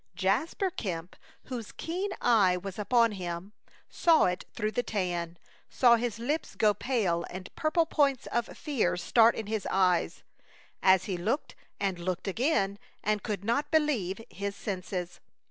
Jasper Kemp, whose keen eye was upon him, saw it through the tan, saw his lips go pale and purple points of fear start in his eyes, as he looked and looked again, and could not believe his senses.